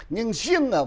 nhưng riêng ở vùng